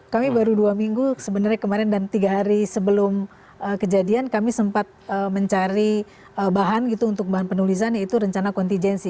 kami baru dua minggu sebenarnya kemarin dan tiga hari sebelum kejadian kami sempat mencari bahan gitu untuk bahan penulisan yaitu rencana kontijensi